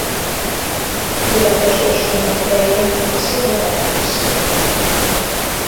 Budapest ostroma idején a szobor elpusztult.